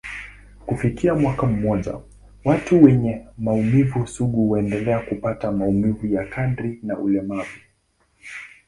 Kufikia mwaka mmoja, watu wenye maumivu sugu huendelea kupata maumivu ya kadri na ulemavu.